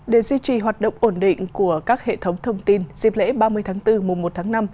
để duy trì hoạt động ổn định của các hệ thống thông tin dịp lễ ba mươi tháng bốn mùa một tháng năm